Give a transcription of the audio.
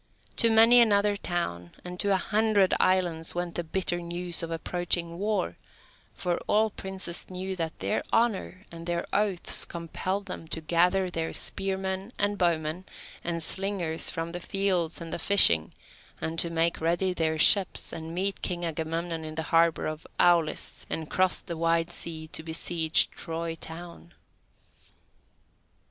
To many another town and to a hundred islands went the bitter news of approaching war, for all princes knew that their honour and their oaths compelled them to gather their spearmen, and bowmen, and slingers from the fields and the fishing, and to make ready their ships, and meet King Agamemnon in the harbour of Aulis, and cross the wide sea to besiege Troy town.